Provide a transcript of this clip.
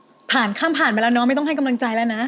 ผ่านข้ามผ่านไปแล้วเนาะไม่ต้องให้กำลังใจแล้วนะ